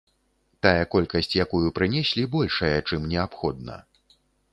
Тая колькасць, якую прынеслі, большая, чым неабходна.